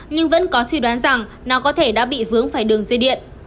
nhưng vẫn có suy đoán rằng nó có thể đã bị vướng phải đường dây điện